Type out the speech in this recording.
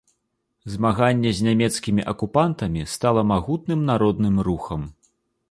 Змаганне з нямецкімі акупантамі стала магутным народным рухам.